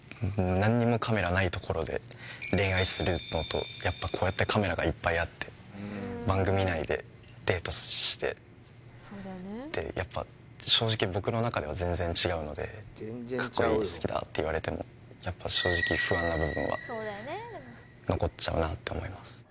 何にもカメラないところで恋愛するのとやっぱこうやってカメラがいっぱいあって番組内でデートしてってやっぱ正直僕の中では全然違うので「かっこいい」「好きだ」って言われてもやっぱ正直不安な部分は残っちゃうなって思います